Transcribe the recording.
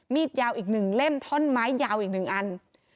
ยาวอีก๑เล่มท่อนไม้ยาวอีก๑อัน